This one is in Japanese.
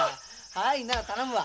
はいなら頼むわ。